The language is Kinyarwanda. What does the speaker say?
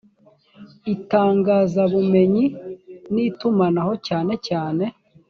itangazabumenyi n itumanaho cyane cyane